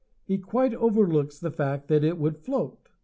He quite overlooks the fact that it would float.